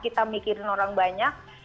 kita mikirin orang banyak